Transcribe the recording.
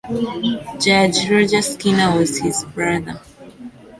Judge Roger Skinner was his brother.